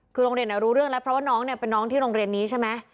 คือโรงเรียนรู้เรื่องแล้วเพราะว่าน้องเนี่ยเป็นน้องที่โรงเรียนนี้ใช่ไหม